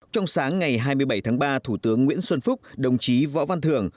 trong sáng ngày hai mươi bảy tháng ba thủ tướng nguyễn xuân phúc đồng chí võ văn thưởng